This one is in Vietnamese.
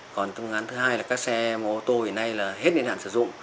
còn phương án thứ hai là các xe ô tô hiện nay hết nền hạn sử dụng